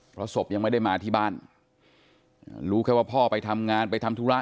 เพราะศพยังไม่ได้มาที่บ้านรู้แค่ว่าพ่อไปทำงานไปทำธุระ